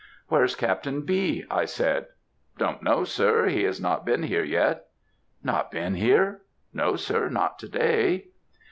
"'Where's Captain B?' I said. "'Don't know, sir; he has not been here yet.' "'Not been here?' "'No, sir, not to day.'